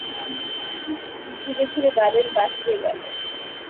ধীরে ধীরে দ্বারের বাহিরে গেল।